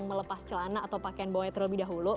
melepas celana atau pakaian bawahnya terlebih dahulu